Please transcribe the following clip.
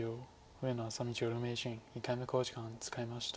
上野愛咲美女流名人１回目の考慮時間を使いました。